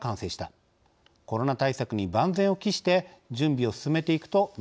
コロナ対策に万全を期して準備を進めていく」と述べました。